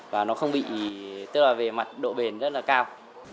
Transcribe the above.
và nó không bị tức là về mặt độ bền rất là cao